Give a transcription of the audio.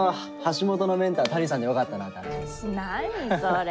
何それ。